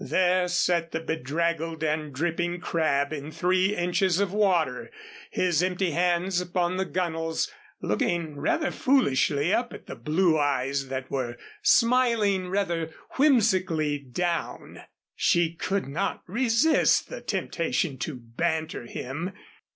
There sat the bedraggled and dripping Crabb in three inches of water, his empty hands upon the gunwales, looking rather foolishly up at the blue eyes that were smiling rather whimsically down. She could not resist the temptation to banter him.